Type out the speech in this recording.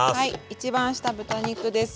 一番下豚肉です。